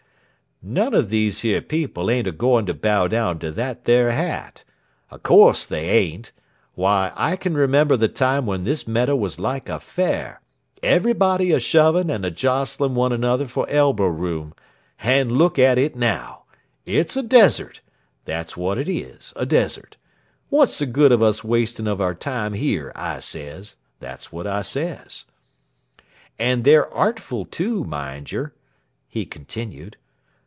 "None of these here people ain't a going to bow down to that there hat. Of course they ain't. Why, I can remember the time when this meadow was like a fair everybody a shoving and a jostling one another for elbow room; and look at it now! It's a desert. That's what it is, a desert. What's the good of us wasting of our time here, I sez. That's what I sez. "And they're artful, too, mind yer," he continued.